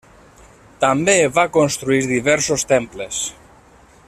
També va construir diversos temples.